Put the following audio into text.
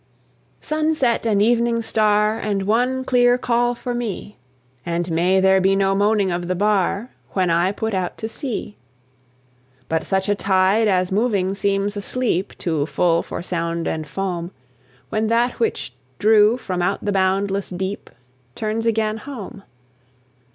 Sunset and evening star, And one clear call for me! And may there be no moaning of the bar, When I put out to sea, But such a tide as moving seems asleep, Too full for sound and foam, When that which drew from out the boundless deep Turns again home.